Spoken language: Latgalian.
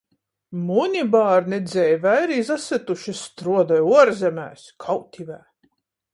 Muni bārni dzeivē ir izasytuši – struodoj uorzemēs kautivē.